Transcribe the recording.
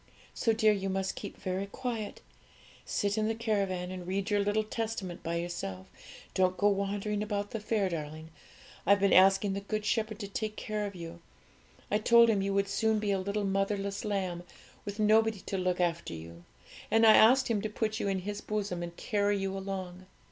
So, dear, you must keep very quiet. Sit in the caravan and read your little Testament by yourself; don't go wandering about the fair, darling. I've been asking the Good Shepherd to take care of you; I told Him you would soon be a little motherless lamb, with nobody to look after you, and I asked Him to put you in His bosom and carry you along.